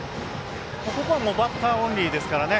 ここはバッターオンリーですからね